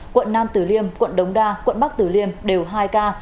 quận nam tử liêm quận đống đa quận bắc tử liêm đều hai ca